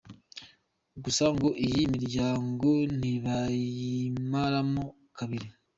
Gusa ngo iyi miryango ntibayimaramo kabiri.